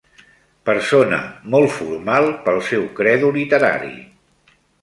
Persona molt formal pel seu credo literari